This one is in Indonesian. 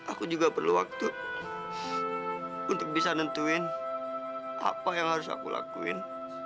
aku juga perlu waktu untuk bisa nentuin apa yang harus aku lakuin